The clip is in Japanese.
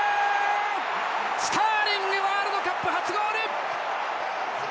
スターリングワールドカップ初ゴール！